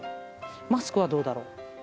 マスクはどうだろう？